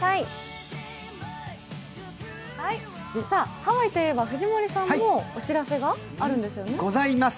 ハワイといえば藤森さんもお知らせがあるんですね？